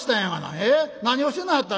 ええ？何をしてなはった？」。